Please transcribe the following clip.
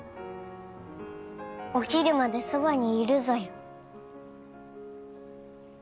起きるまでそばにいるぞよ。